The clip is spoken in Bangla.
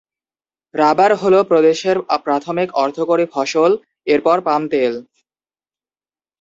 রাবার হল প্রদেশের প্রাথমিক অর্থকরী ফসল, এরপর পাম তেল।